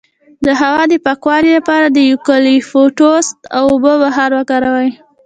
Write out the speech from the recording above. د هوا د پاکوالي لپاره د یوکالیپټوس او اوبو بخار وکاروئ